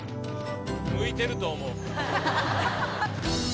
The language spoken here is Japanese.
向いてると思う。